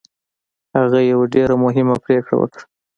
هغه یوه ډېره مهمه پرېکړه وکړه